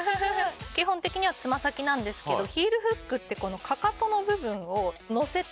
基本的にはつま先なんですけどヒールフックって。